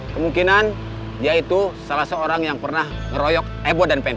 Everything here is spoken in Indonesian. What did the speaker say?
kemungkinan dia itu salah seorang yang pernah ngeroyok ebo dan pen